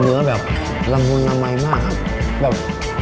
เนื้อแบบลำนุนลไม่มากครับ